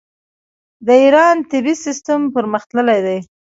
د ایران طبي سیستم پرمختللی دی.